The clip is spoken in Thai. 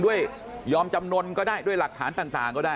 ยอมจำนวนก็ได้ด้วยหลักฐานต่างก็ได้